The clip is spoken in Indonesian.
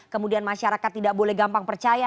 kemudian masyarakat tidak boleh gampang percaya